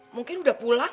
mungkin udah pulang